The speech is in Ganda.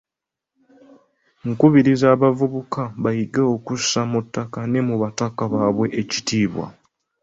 Nkubiriza abavubuka bayige okussa mu ttaka ne mu butaka bwabwe ekitiibwa.